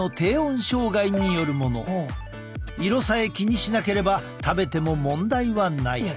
色さえ気にしなければ食べても問題はない。